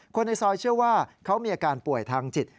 คนในซอยเชื่อว่าเขามีอาการป่วยทางจิต